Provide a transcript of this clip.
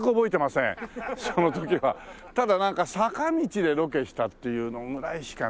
ただなんか坂道でロケしたっていうのぐらいしかね。